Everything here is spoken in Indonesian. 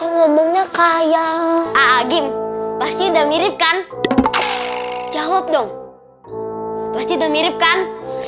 ngomongnya kaya agim pasti udah mirip kan jawab dong pasti tuh mirip kan